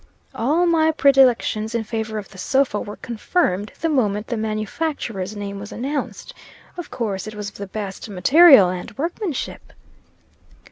All my predilections in favor of the sofa were confirmed the moment the manufacturer's name was announced. Of course, it was of the best material and workmanship.